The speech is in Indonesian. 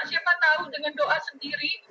siapa tahu dengan doa sendiri